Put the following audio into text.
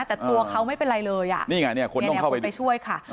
แต่ตัวเขาไม่เป็นไรเลยอ่ะนี่ไงเนี่ยคนต้องเข้าไปช่วยค่ะ